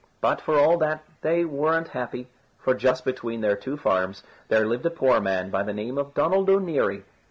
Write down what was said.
But for all that they weren't happy. For just between their two farms there lived a poor man by the name of Donald O'Neary.